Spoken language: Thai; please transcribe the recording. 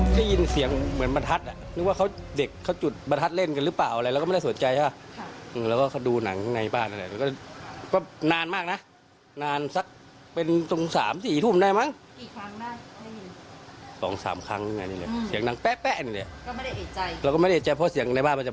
เพราะเสียงในบ้านมันจะเบาไง